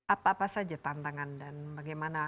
apa apa saja tantangan dan bagaimana